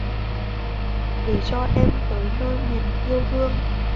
Để cho em tới nơi miền yêu thương